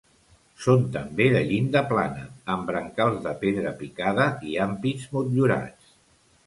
Són també de llinda plana, amb brancals de pedra picada i ampits motllurats.